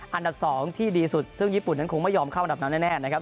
อันดับ๒ที่ดีสุดซึ่งญี่ปุ่นนั้นคงไม่ยอมเข้าอันดับนั้นแน่นะครับ